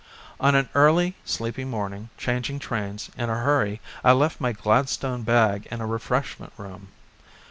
On an early, sleepy morning changing trains in a hurry I left my Gladstone bag in a refreshment room.